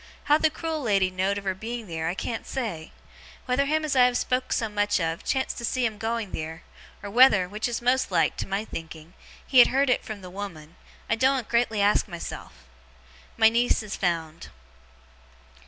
How the cruel lady know'd of her being theer, I can't say. Whether him as I have spoke so much of, chanced to see 'em going theer, or whether (which is most like, to my thinking) he had heerd it from the woman, I doen't greatly ask myself. My niece is found.